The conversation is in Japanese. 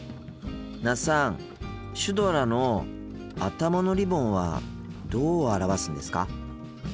那須さんシュドラの頭のリボンはどう表すんですか？